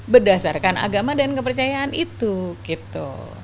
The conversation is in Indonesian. berdasarkan agama dan kepercayaan itu gitu